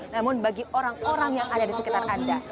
namun bagi orang orang yang ada di sekitar anda